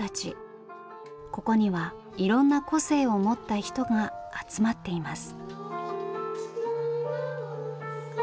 ここにはいろんな個性を持った人が集まっています。